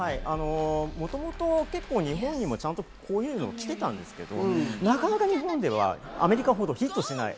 もともと結構、日本にもちゃんとこういうの来てたんですけど、なかなか日本ではアメリカほどヒットしない。